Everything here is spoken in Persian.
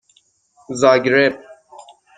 زاگرب